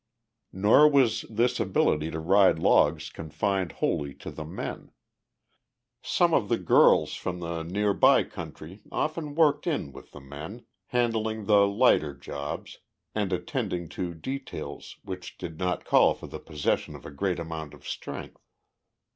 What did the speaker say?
Nor was this ability to ride logs confined wholly to the men. Some of the girls from the near by country often worked in with the men, handling the lighter jobs and attending to details which did not call for the possession of a great amount of strength.